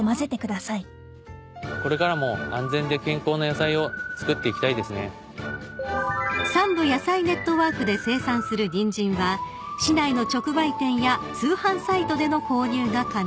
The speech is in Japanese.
［さんぶ野菜ネットワークで生産するニンジンは市内の直売店や通販サイトでの購入が可能です］